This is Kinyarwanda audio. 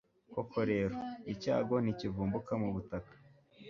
koko rero, icyago ntikivumbuka mu butaka